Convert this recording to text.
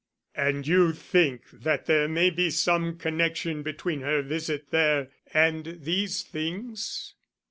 "And you think that there may be some connection between her visit there and these things?"